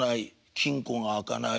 金庫が開かない。